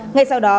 ngay sau đó